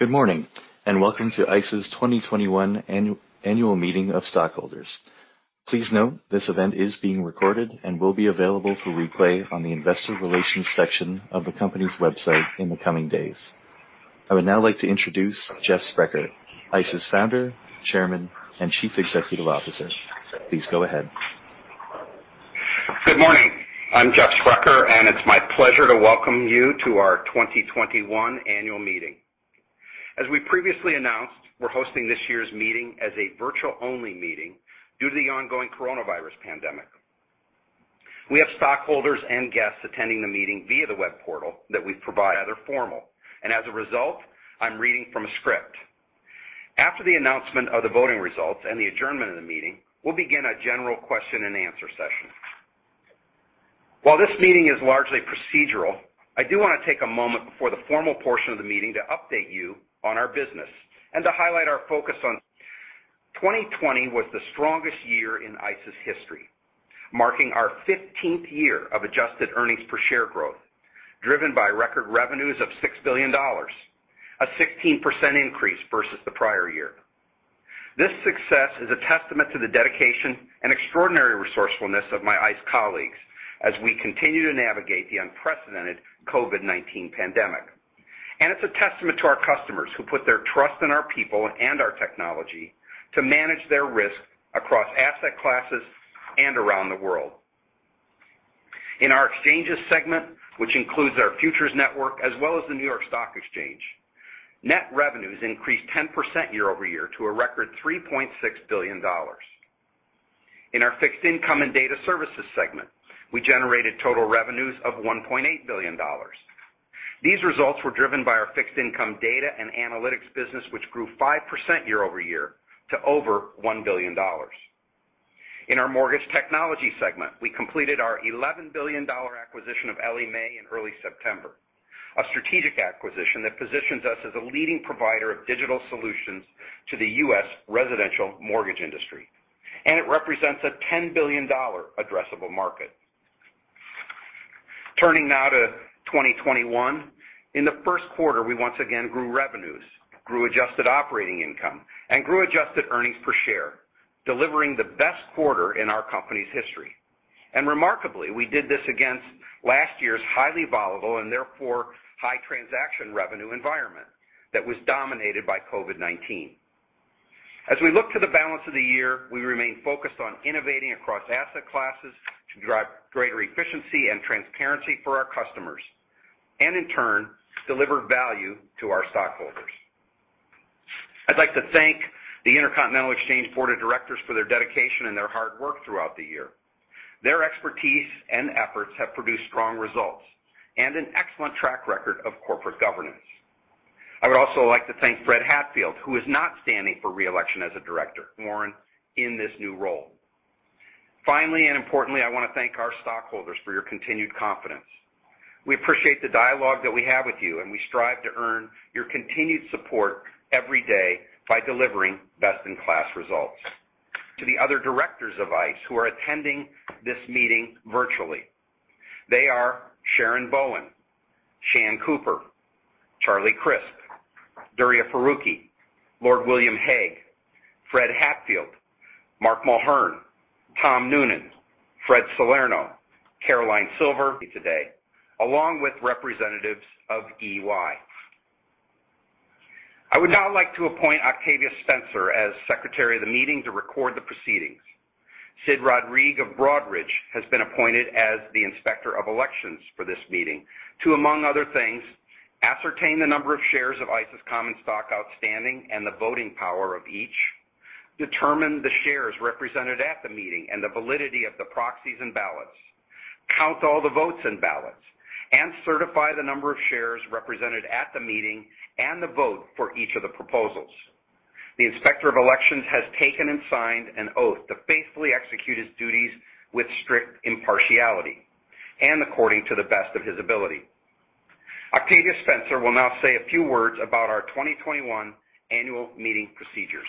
Good morning. Welcome to ICE's 2021 Annual Meeting of Stockholders. Please note this event is being recorded and will be available for replay on the investor relations section of the company's website in the coming days. I would now like to introduce Jeff Sprecher, ICE's Founder, Chair and Chief Executive Officer. Please go ahead. Good morning. I'm Jeff Sprecher, and it's my pleasure to welcome you to our 2021 annual meeting. As we previously announced, we're hosting this year's meeting as a virtual-only meeting due to the ongoing coronavirus pandemic. We have stockholders and guests attending the meeting via the web portal that we provide. Rather formal, and as a result, I'm reading from a script. After the announcement of the voting results and the adjournment of the meeting, we'll begin a general question and answer session. While this meeting is largely procedural, I do want to take a moment before the formal portion of the meeting to update you on our business and to highlight our focus. 2020 was the strongest year in ICE's history, marking our 15th year of adjusted earnings per share growth, driven by record revenues of $6 billion, a 16% increase versus the prior year. This success is a testament to the dedication and extraordinary resourcefulness of my ICE colleagues as we continue to navigate the unprecedented COVID-19 pandemic. It's a testament to our customers, who put their trust in our people and our technology to manage their risk across asset classes and around the world. In our exchanges segment, which includes our futures network as well as the New York Stock Exchange, net revenues increased 10% year-over-year to a record $3.6 billion. In our fixed income and data services segment, we generated total revenues of $1.8 billion. These results were driven by our fixed income data and analytics business, which grew 5% year-over-year to over $1 billion. In our mortgage technology segment, we completed our $11 billion acquisition of Ellie Mae in early September, a strategic acquisition that positions us as a leading provider of digital solutions to the U.S. residential mortgage industry. It represents a $10 billion addressable market. Turning now to 2021. In the first quarter, we once again grew revenues, grew adjusted operating income, and grew adjusted earnings per share, delivering the best quarter in our company's history. Remarkably, we did this against last year's highly volatile and therefore high transaction revenue environment that was dominated by COVID-19. As we look to the balance of the year, we remain focused on innovating across asset classes to drive greater efficiency and transparency for our customers and in turn, deliver value to our stockholders. I'd like to thank the Intercontinental Exchange Board of Directors for their dedication and their hard work throughout the year. Their expertise and efforts have produced strong results and an excellent track record of corporate governance. I would also like to thank Fred Hatfield, who is not standing for re-election as a director. Warren, in this new role. Finally and importantly, I want to thank our stockholders for your continued confidence. We appreciate the dialogue that we have with you, and we strive to earn your continued support every day by delivering best-in-class results. To the other directors of ICE who are attending this meeting virtually. They are Sharon Bowen, Shan Cooper, Charlie Crisp, Duriya Farooqui, Lord William Hague, Fred Hatfield, Mark Mulhern, Tom Noonan, Fred Salerno, Caroline Silver today, along with representatives of EY. I would now like to appoint Octavia Spencer as secretary of the meeting to record the proceedings. Sid Rodrigue of Broadridge has been appointed as the Inspector of Elections for this meeting to, among other things, ascertain the number of shares of ICE's common stock outstanding and the voting power of each, determine the shares represented at the meeting and the validity of the proxies and ballots, count all the votes and ballots, and certify the number of shares represented at the meeting and the vote for each of the proposals. The Inspector of Elections has taken and signed an oath to faithfully execute his duties with strict impartiality and according to the best of his ability. Octavia Spencer will now say a few words about our 2021 annual meeting procedures.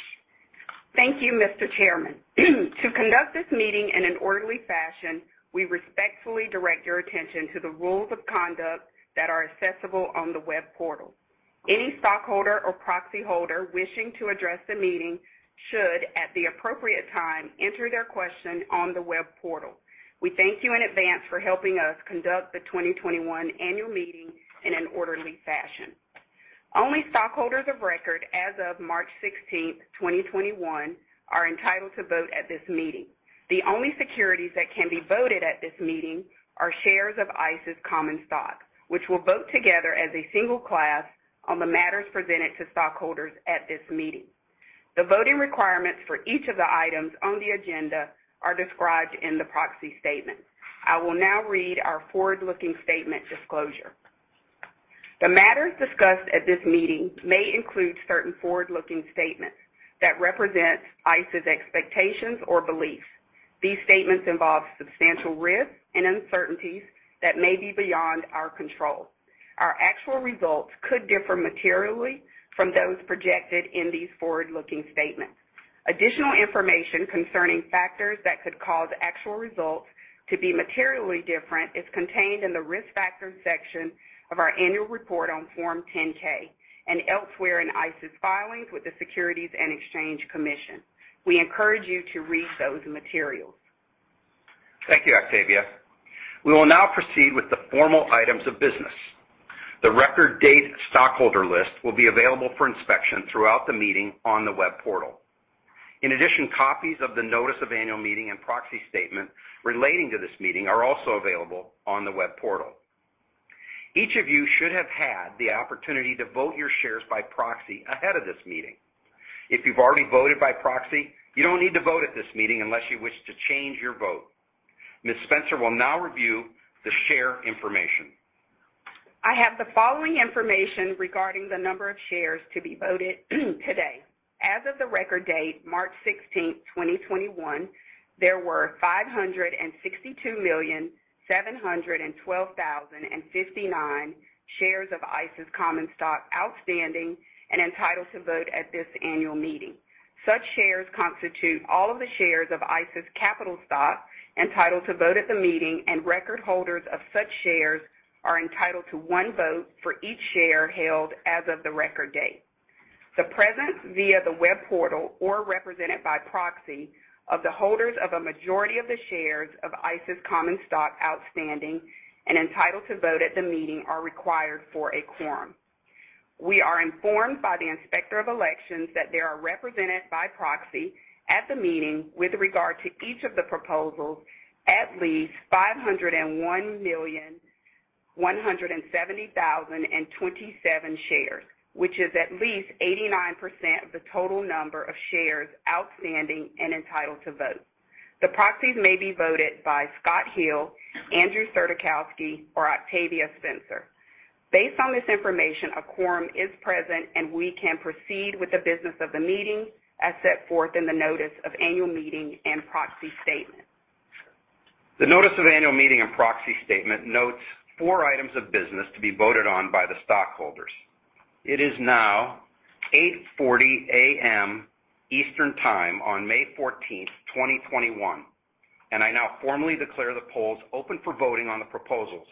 Thank you, Mr. Chairman. To conduct this meeting in an orderly fashion, we respectfully direct your attention to the rules of conduct that are accessible on the web portal. Any stockholder or proxy holder wishing to address the meeting should, at the appropriate time, enter their question on the web portal. We thank you in advance for helping us conduct the 2021 annual meeting in an orderly fashion. Only stockholders of record as of March 16th, 2021, are entitled to vote at this meeting. The only securities that can be voted at this meeting are shares of ICE's common stock, which will vote together as a single class on the matters presented to stockholders at this meeting. The voting requirements for each of the items on the agenda are described in the proxy statement. I will now read our forward-looking statement disclosure. The matters discussed at this meeting may include certain forward-looking statements that represent ICE's expectations or beliefs. These statements involve substantial risks and uncertainties that may be beyond our control. Our actual results could differ materially from those projected in these forward-looking statements. Additional information concerning factors that could cause actual results to be materially different is contained in the Risk Factors section of our annual report on Form 10-K and elsewhere in ICE's filings with the Securities and Exchange Commission. We encourage you to read those materials. Thank you, Octavia. We will now proceed with the formal items of business. The record date stockholder list will be available for inspection throughout the meeting on the web portal. In addition, copies of the notice of annual meeting and proxy statement relating to this meeting are also available on the web portal. Each of you should have had the opportunity to vote your shares by proxy ahead of this meeting. If you've already voted by proxy, you don't need to vote at this meeting unless you wish to change your vote. Ms. Spencer will now review the share information. I have the following information regarding the number of shares to be voted today. As of the record date, March 16th, 2021, there were 562,712,059 shares of ICE's common stock outstanding and entitled to vote at this annual meeting. Such shares constitute all the shares of ICE's capital stock entitled to vote at the meeting, and record holders of such shares are entitled to one vote for each share held as of the record date. The presence via the web portal or represented by proxy of the holders of a majority of the shares of ICE's common stock outstanding and entitled to vote at the meeting are required for a quorum. We are informed by the Inspector of Elections that there are represented by proxy at the meeting with regard to each of the proposals at least 501,170,027 shares, which is at least 89% of the total number of shares outstanding and entitled to vote. The proxies may be voted by Scott Hill, Andrew Surdykowski, or Octavia Spencer. Based on this information, a quorum is present, and we can proceed with the business of the meeting as set forth in the notice of annual meeting and proxy statement. The notice of annual meeting and proxy statement notes four items of business to be voted on by the stockholders. It is now 8:40 A.M. Eastern Time on May 14th, 2021, and I now formally declare the polls open for voting on the proposals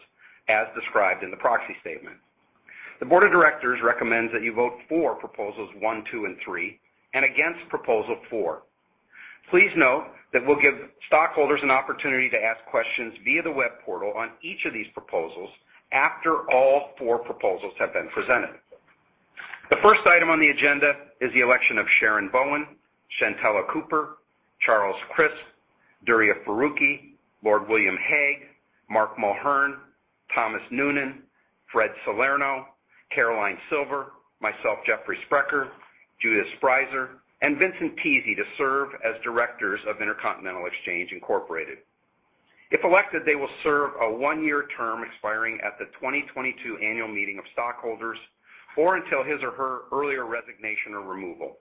as described in the proxy statement. The board of directors recommends that you vote for Proposals one, two, and three and against Proposal four. Please note that we'll give stockholders an opportunity to ask questions via the web portal on each of these proposals after all four proposals have been presented. The first item on the agenda is the election of Sharon Bowen, Shantella Cooper, Charles Crisp, Duriya Farooqui, Lord William Hague, Mark Mulhern, Thomas Noonan, Frederic Salerno, Caroline Silver, myself, Jeffrey Sprecher, Judith Sprieser, and Vincent Tese to serve as directors of Intercontinental Exchange, Inc.. If elected, they will serve a one-year term expiring at the 2022 annual meeting of stockholders or until his or her earlier resignation or removal.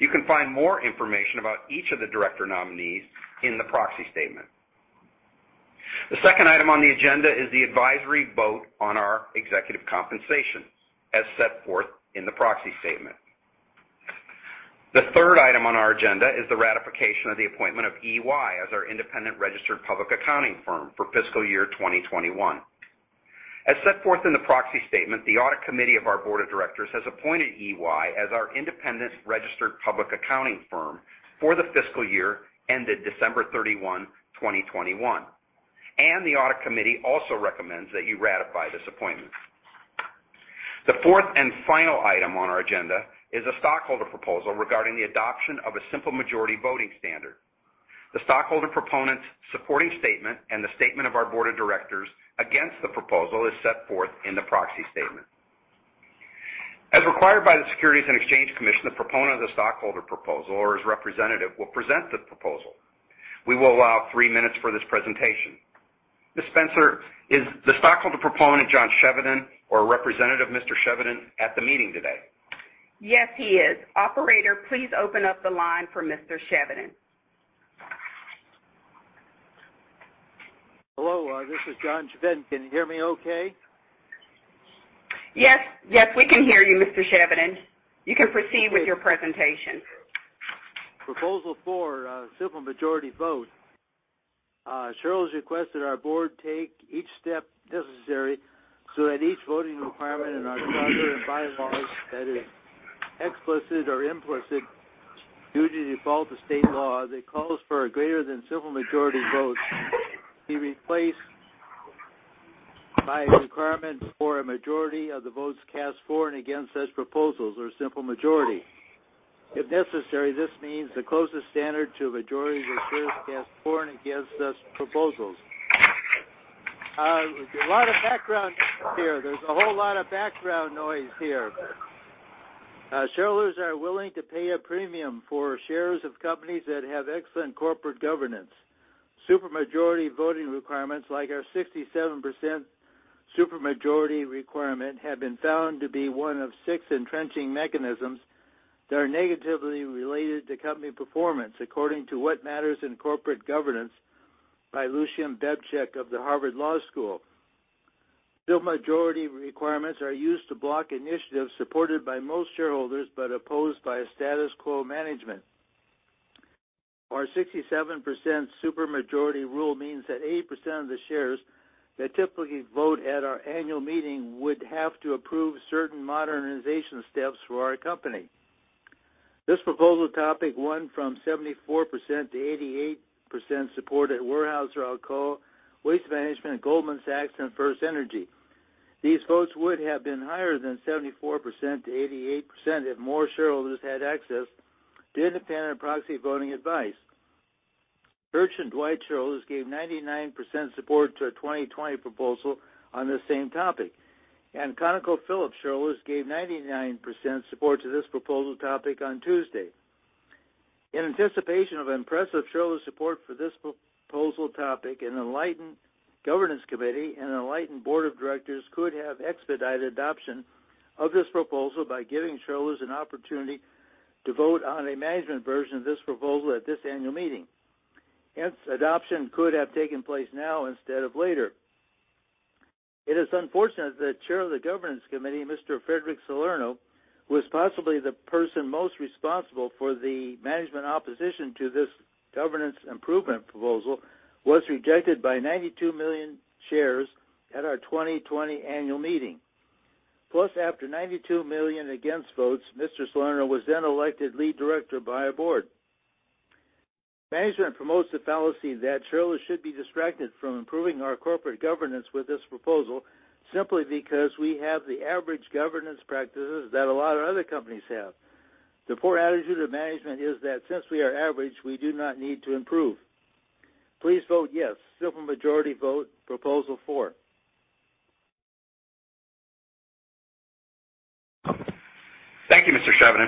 You can find more information about each of the director nominees in the proxy statement. The second item on the agenda is the advisory vote on our executive compensation as set forth in the proxy statement. The third item on our agenda is the ratification of the appointment of EY as our independent registered public accounting firm for fiscal year 2021. As set forth in the proxy statement, the audit committee of our board of directors has appointed EY as our independent registered public accounting firm for the fiscal year ended December 31, 2021, and the audit committee also recommends that you ratify this appointment. The fourth and final item on our agenda is a stockholder proposal regarding the adoption of a simple majority voting standard. The stockholder proponent's supporting statement and the statement of our board of directors against the proposal is set forth in the proxy statement. As required by the Securities and Exchange Commission, the proponent of the stockholder proposal or his representative will present this proposal. We will allow three minutes for this presentation. Ms. Spencer, is the stockholder proponent, John Chevedden, or representative, Mr. Chevedden, at the meeting today? Yes, he is. Operator, please open up the line for Mr. Chevedden. Hello, this is John Chevedden. Can you hear me okay? Yes. Yes, we can hear you, Mr. Chevedden. You can proceed with your presentation. Proposal four, simple majority vote. Shareholders requested our board take each step necessary so that each voting requirement in our bylaws that is explicit or implicit due to default of state law that calls for a greater than simple majority vote be replaced by a requirement for a majority of the votes cast for and against such proposals or simple majority. If necessary, this means the closest standard to a majority of the shares cast for and against such proposals. There's a lot of background noise here. Shareholders are willing to pay a premium for shares of companies that have excellent corporate governance. Super majority voting requirements like our 67% super majority requirement have been found to be one of six entrenching mechanisms that are negatively related to company performance, according to What Matters in Corporate Governance by Lucian Bebchuk of the Harvard Law School. Super majority requirements are used to block initiatives supported by most shareholders but opposed by a status quo management. Our 67% super majority rule means that 80% of the shares that typically vote at our annual meeting would have to approve certain modernization steps for our company. This proposal topic won from 74%-88% support at Weyerhaeuser, Alcoa, Waste Management, Goldman Sachs, and FirstEnergy. These votes would have been higher than 74%-88% if more shareholders had access to independent proxy voting advice. Church & Dwight shareholders gave 99% support to a 2020 proposal on this same topic, and ConocoPhillips shareholders gave 99% support to this proposal topic on Tuesday. In anticipation of impressive shareholder support for this proposal topic, an enlightened governance committee and an enlightened board of directors could have expedited adoption of this proposal by giving shareholders an opportunity to vote on a management version of this proposal at this annual meeting. Hence, adoption could have taken place now instead of later. It is unfortunate that chair of the governance committee, Frederic Salerno, who was possibly the person most responsible for the management opposition to this governance improvement proposal, was rejected by 92 million shares at our 2020 annual meeting. After 92 million against votes, Frederic Salerno was then elected Lead Director by a board. Management promotes the fallacy that shareholders should be distracted from improving our corporate governance with this proposal simply because we have the average governance practices that a lot of other companies have. The poor attitude of management is that since we are average, we do not need to improve. Please vote yes. Super majority vote Proposal 4. Thank you, Mr. Chevedden.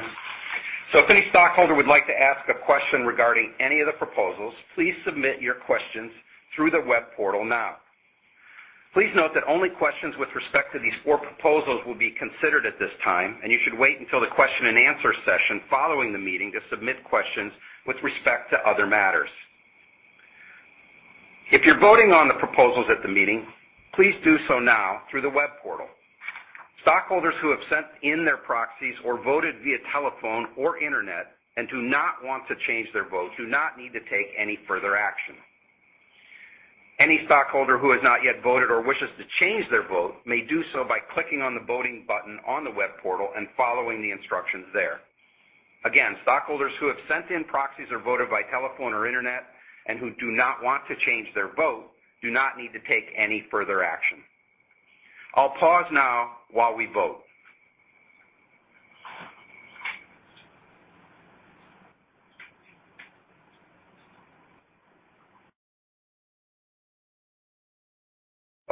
If any stockholder would like to ask a question regarding any of the proposals, please submit your questions through the web portal now. Please note that only questions with respect to these four proposals will be considered at this time, and you should wait until the question and answer session following the meeting to submit questions with respect to other matters. If you're voting on the proposals at the meeting, please do so now through the web portal. Stockholders who have sent in their proxies or voted via telephone or internet and do not want to change their vote do not need to take any further action. Any stockholder who has not yet voted or wishes to change their vote may do so by clicking on the voting button on the web portal and following the instructions there. Again, stockholders who have sent in proxies or voted by telephone or internet and who do not want to change their vote do not need to take any further action. I'll pause now while we vote.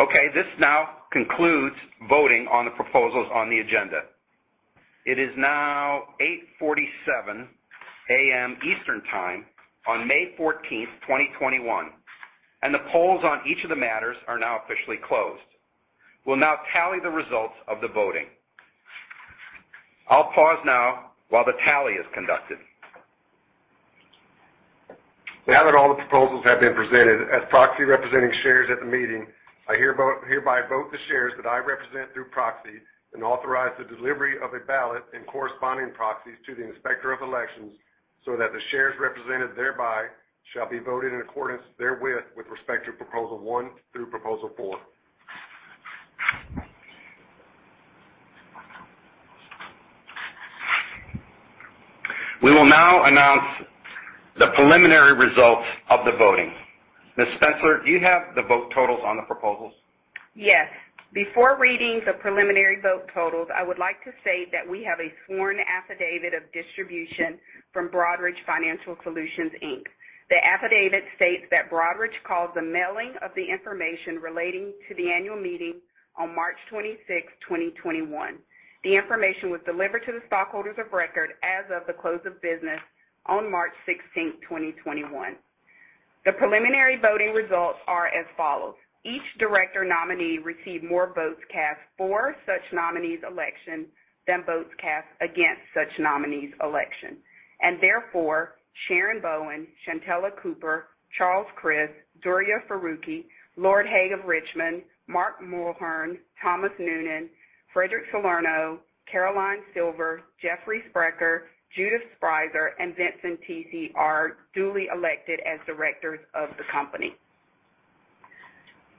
Okay, this now concludes voting on the proposals on the agenda. It is now 8:47 A.M. Eastern Time on May 14th, 2021, and the polls on each of the matters are now officially closed. We'll now tally the results of the voting. I'll pause now while the tally is conducted. Now that all the proposals have been presented as proxy representing shares at the meeting, I hereby vote the shares that I represent through proxy and authorize the delivery of a ballot and corresponding proxies to the Inspector of Elections so that the shares represented thereby shall be voted in accordance therewith with respect to Proposal one through Proposal four. We will now announce the preliminary results of the voting. Ms. Spencer, do you have the vote totals on the proposals? Yes. Before reading the preliminary vote totals, I would like to say that we have a sworn affidavit of distribution from Broadridge Financial Solutions, Inc. The affidavit states that Broadridge called the mailing of the information relating to the annual meeting on March 26, 2021. The information was delivered to the stockholders of record as of the close of business on March 16, 2021. The preliminary voting results are as follows. Each director nominee received more votes cast for such nominee's election than votes cast against such nominee's election, and therefore, Sharon Bowen, Shantella Cooper, Charles Crisp, Duriya Farooqui, Lord Hague of Richmond, Mark Mulhern, Thomas Noonan, Frederic Salerno, Caroline Silver, Jeffrey Sprecher, Judith Sprieser, and Vincent Tese are duly elected as directors of the company.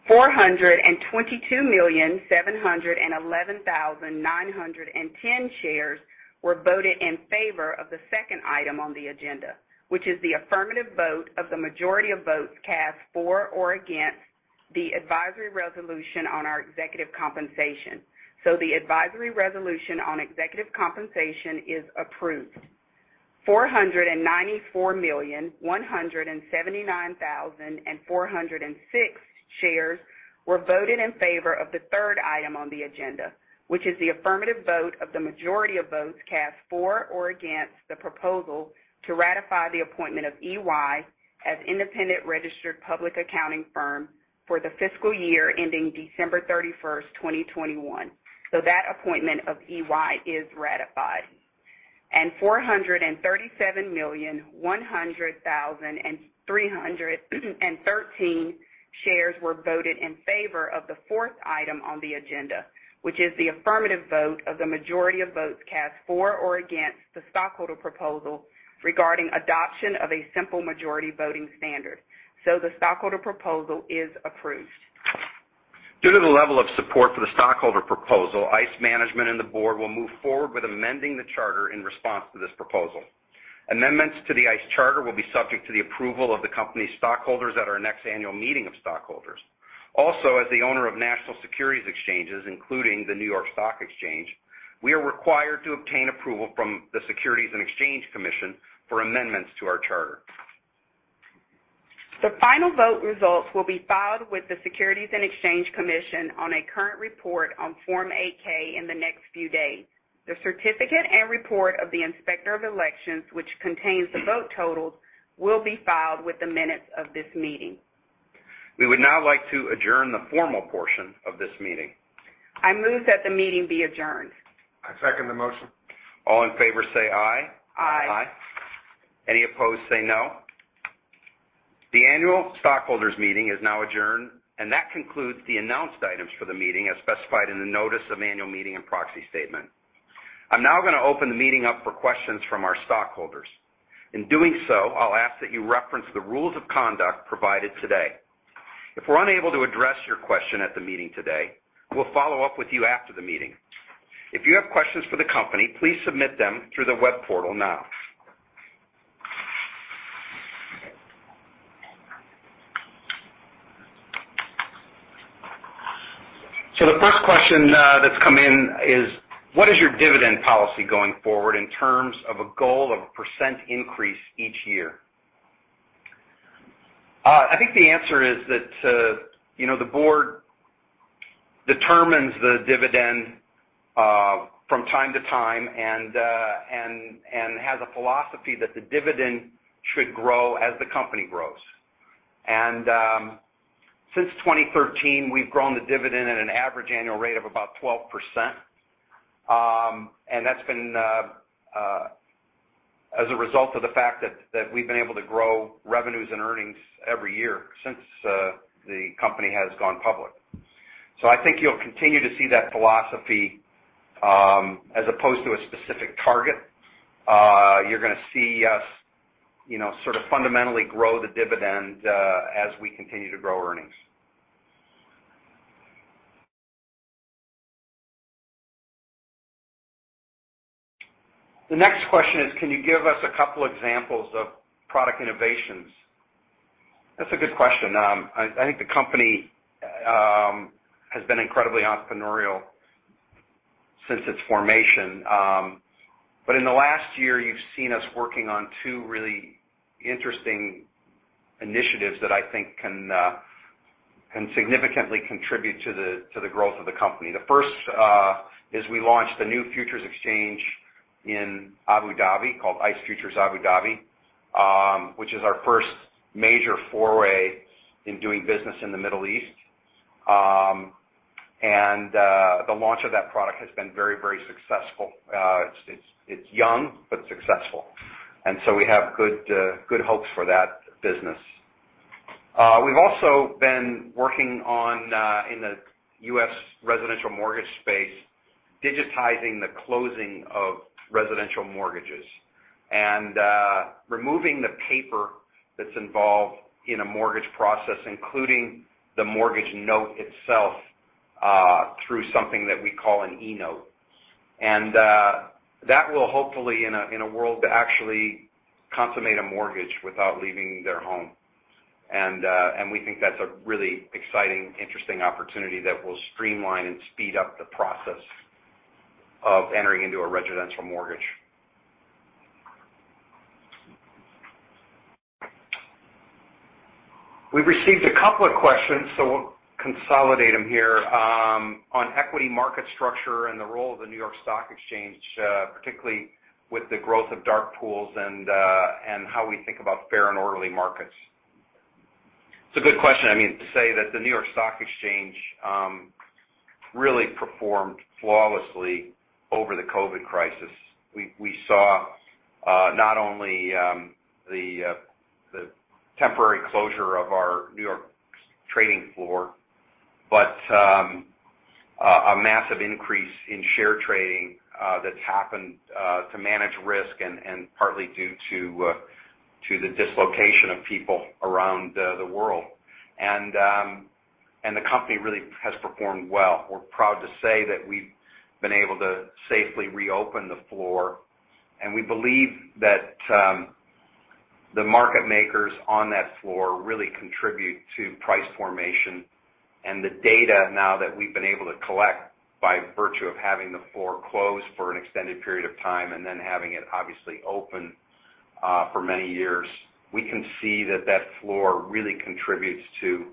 422,711,910 shares were voted in favor of the second item on the agenda, which is the affirmative vote of the majority of votes cast for or against the advisory resolution on our executive compensation. The advisory resolution on executive compensation is approved. 494,179,406 shares were voted in favor of the third item on the agenda, which is the affirmative vote of the majority of votes cast for or against the proposal to ratify the appointment of EY as independent registered public accounting firm for the fiscal year ending December 31st, 2021. That appointment of EY is ratified. 437,100,313 shares were voted in favor of the fourth item on the agenda, which is the affirmative vote of the majority of votes cast for or against the stockholder proposal regarding adoption of a simple majority voting standard. The stockholder proposal is approved. Due to the level of support for the stockholder proposal, ICE management and the board will move forward with amending the charter in response to this proposal. Amendments to the ICE charter will be subject to the approval of the company's stockholders at our next annual meeting of stockholders. As the owner of national securities exchanges, including the New York Stock Exchange, we are required to obtain approval from the Securities and Exchange Commission for amendments to our charter. The final vote results will be filed with the Securities and Exchange Commission on a current report on Form 8-K in the next few days. The certificate and report of the Inspector of Elections, which contains the vote totals, will be filed with the minutes of this meeting. We would now like to adjourn the formal portion of this meeting. I move that the meeting be adjourned. I second the motion. All in favor say aye. Aye. Any opposed, say no. The annual stockholders meeting is now adjourned, and that concludes the announced items for the meeting as specified in the notice of annual meeting and proxy statement. I'm now going to open the meeting up for questions from our stockholders. In doing so, I'll ask that you reference the rules of conduct provided today. If we're unable to address your question at the meeting today, we'll follow up with you after the meeting. If you have questions for the company, please submit them through the web portal now. The first question that's come in is, what is your dividend policy going forward in terms of a goal of a percent increase each year? I think the answer is that the board determines the dividend from time to time and has a philosophy that the dividend should grow as the company grows. Since 2013, we've grown the dividend at an average annual rate of about 12%. That's been as a result of the fact that we've been able to grow revenues and earnings every year since the company has gone public. I think you'll continue to see that philosophy as opposed to a specific target. You're going to see us sort of fundamentally grow the dividend as we continue to grow earnings. The next question is, can you give us a couple examples of product innovations? That's a good question. I think the company has been incredibly entrepreneurial since its formation. In the last year, you've seen us working on two really interesting initiatives that I think can significantly contribute to the growth of the company. The first is we launched a new futures exchange in Abu Dhabi called ICE Futures Abu Dhabi, which is our first major foray in doing business in the Middle East. The launch of that product has been very successful. It's young but successful. We have good hopes for that business. We've also been working on, in the U.S. residential mortgage space, digitizing the closing of residential mortgages and removing the paper that's involved in a mortgage process, including the mortgage note itself, through something that we call an eNote. That will hopefully, in a world, actually consummate a mortgage without leaving their home. We think that's a really exciting, interesting opportunity that will streamline and speed up the process of entering into a residential mortgage. We've received a couple of questions, so we'll consolidate them here on equity market structure and the role of the New York Stock Exchange, particularly with the growth of dark pools and how we think about fair and orderly markets. It's a good question. I mean to say that the New York Stock Exchange really performed flawlessly over the COVID crisis. We saw not only the temporary closure of our New York trading floor, but a massive increase in share trading that's happened to manage risk and partly due to the dislocation of people around the world. The company really has performed well. We're proud to say that we've been able to safely reopen the floor, and we believe that the market makers on that floor really contribute to price formation and the data now that we've been able to collect by virtue of having the floor closed for an extended period of time and then having it obviously open for many years. We can see that floor really contributes to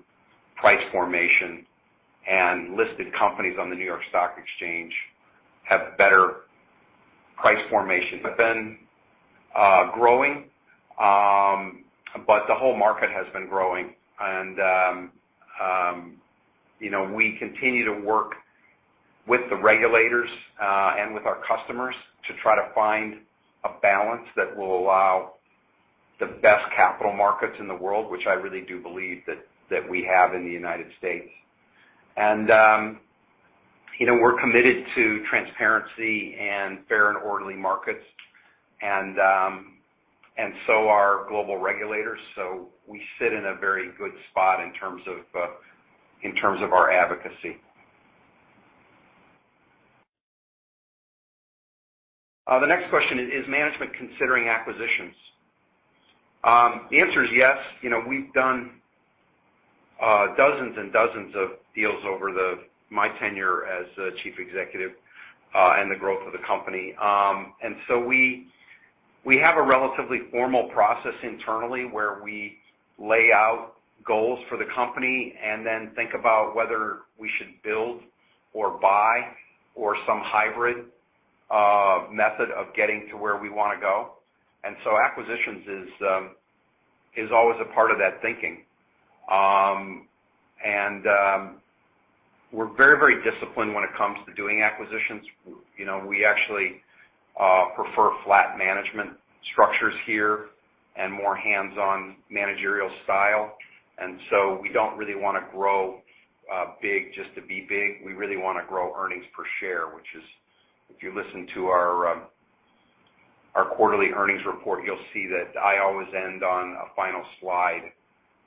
price formation, and listed companies on the New York Stock Exchange have better price formation. The whole market has been growing. We continue to work with the regulators, and with our customers to try to find a balance that will allow the best capital markets in the world, which I really do believe that we have in the United States. We're committed to transparency and fair and orderly markets, and so are global regulators. We sit in a very good spot in terms of our advocacy. The next question is: Is management considering acquisitions? The answer is yes. We've done dozens and dozens of deals over my tenure as the chief executive, and the growth of the company. We have a relatively formal process internally where we lay out goals for the company, and then think about whether we should build or buy or some hybrid method of getting to where we want to go. Acquisitions is always a part of that thinking. We're very disciplined when it comes to doing acquisitions. We actually prefer flat management structures here and more hands-on managerial style. We don't really want to grow big just to be big. We really want to grow earnings per share, which is, if you listen to our quarterly earnings report, you'll see that I always end on a final slide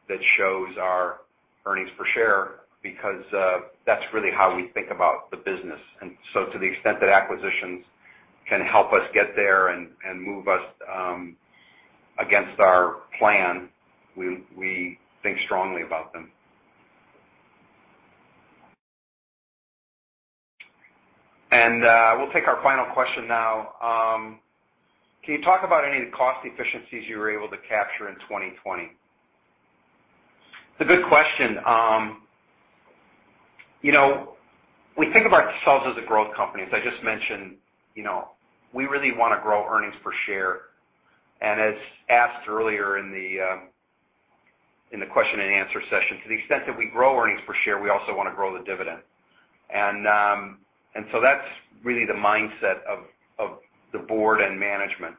that shows our earnings per share because, that's really how we think about the business. To the extent that acquisitions can help us get there and move us against our plan, we think strongly about them. We'll take our final question now. Can you talk about any cost efficiencies you were able to capture in 2020? It's a good question. We think about ourselves as a growth company. As I just mentioned, we really want to grow earnings per share. As asked earlier in the question and answer session, to the extent that we grow earnings per share, we also want to grow the dividend. That's really the mindset of the board and management.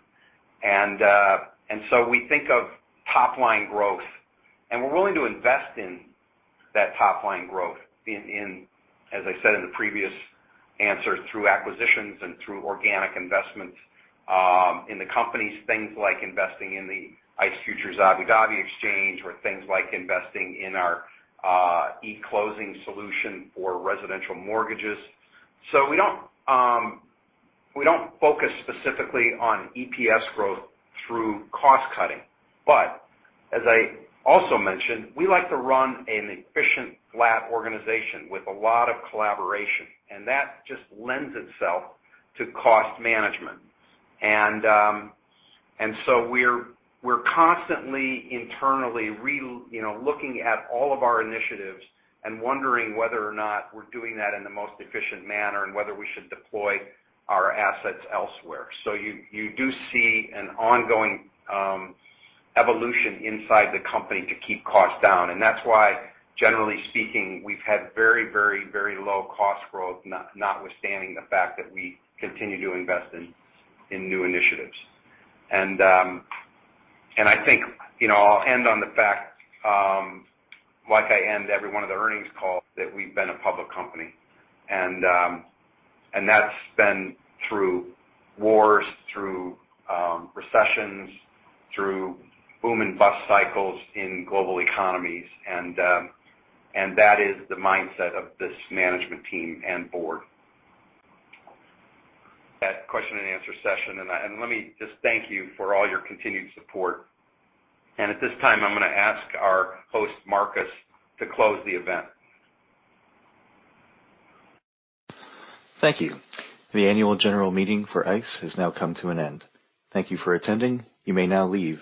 We think of top-line growth, and we're willing to invest in that top-line growth in, as I said in the previous answer, through acquisitions and through organic investments in the companies, things like investing in the ICE Futures Abu Dhabi exchange, or things like investing in our eClose solution for residential mortgages. We don't focus specifically on EPS growth through cost-cutting. As I also mentioned, we like to run an efficient, flat organization with a lot of collaboration, and that just lends itself to cost management. We're constantly, internally, looking at all of our initiatives and wondering whether or not we're doing that in the most efficient manner and whether we should deploy our assets elsewhere. You do see an ongoing evolution inside the company to keep costs down. That's why, generally speaking, we've had very low-cost growth, notwithstanding the fact that we continue to invest in new initiatives. I think I'll end on the fact, like I end every one of the earnings calls that we've been a public company. That's been through wars, through recessions, through boom and bust cycles in global economies. That is the mindset of this management team and board. That question and answer session. Let me just thank you for all your continued support. At this time, I'm going to ask our host, Marcus, to close the event. Thank you. The annual general meeting for ICE has now come to an end. Thank you for attending. You may now leave.